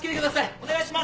お願いします！